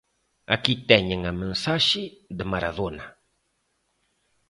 Aquí teñen a mensaxe de Maradona.